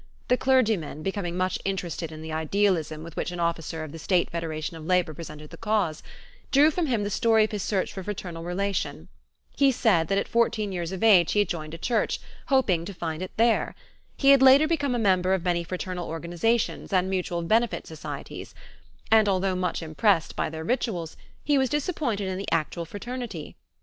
The clergymen, becoming much interested in the idealism with which an officer of the State Federation of Labor presented the cause, drew from him the story of his search for fraternal relation: he said that at fourteen years of age he had joined a church, hoping to find it there; he had later become a member of many fraternal organizations and mutual benefit societies, and, although much impressed by their rituals, he was disappointed in the actual fraternity.